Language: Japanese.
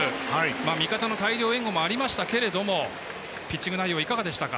味方の大量援護もありましたけどもピッチング内容いかがでしたか？